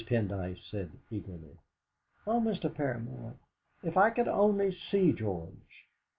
Pendyce said eagerly "Oh, Mr. Paramor, if I could only see George!"